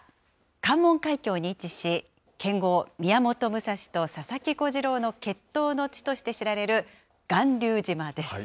関門海峡に位置し、剣豪、宮本武蔵と佐々木小次郎の決闘の地として知られる巌流島です。